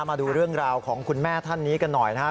มาดูเรื่องราวของคุณแม่ท่านนี้กันหน่อยนะครับ